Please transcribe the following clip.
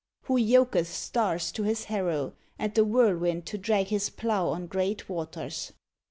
Who yoketh stars to His harrow, and the whirl wind to drag his plough on great waters.